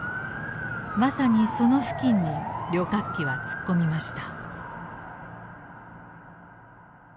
まさにその付近に旅客機は突っ込みました。